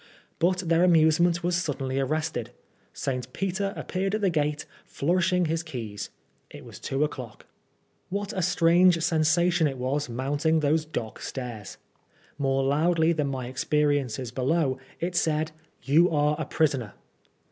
But their amusement was suddenly arrested. St. Peter appeared at the gate, flourishing his keys. It was two o'clock. What a strange sensation it was, mounting those dock stairs I More loudly than my experiences below, it said — "You are a prisoner."